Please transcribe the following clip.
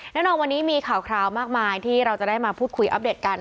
แน่นอนวันนี้มีข่าวมากมายที่เราจะได้มาพูดคุยอัปเดตกัน